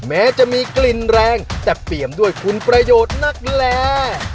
แม้จะมีกลิ่นแรงแต่เปี่ยมด้วยคุณประโยชน์นักแล